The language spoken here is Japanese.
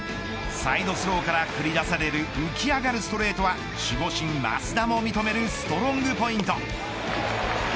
サイドスローから繰り出される浮き上がるストレートは守護神、益田も認めるストロングポイント。